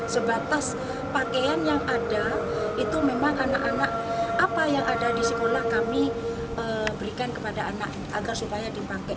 sebatas pakaian yang ada itu memang anak anak apa yang ada di sekolah kami berikan kepada anak agar supaya dipakai